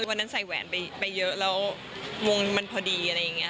วันนั้นใส่แหวนไปเยอะแล้ววงมันพอดีอะไรอย่างนี้